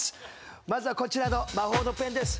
まずはこちらの魔法のペンです。